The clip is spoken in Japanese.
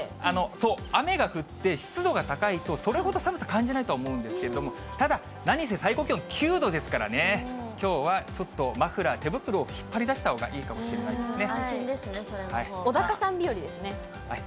そう、雨が降って湿度が高いと、それほど寒さ、感じないと思うんですけれども、何せ最高気温、９度ですからね、きょうはちょっとマフラー、手袋を引っ張り出したほうがいいかもしれませんね。